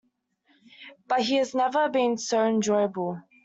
But he has never been so enjoyable.